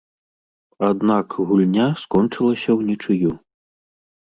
Аднак гульня скончылася ўнічыю.